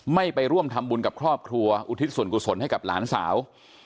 ไม่ไปร่วมทำบุญกับครอบครัวอุทิศส่วนกุศลให้กับหลานสาว